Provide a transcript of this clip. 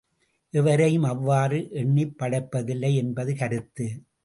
எவரையும் அவ்வாறு எண்ணிப் படைப்பதில்லை என்பது கருத்து.